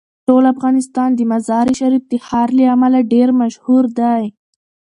ټول افغانستان د مزارشریف د ښار له امله ډیر مشهور دی.